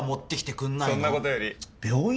そんなことより病院？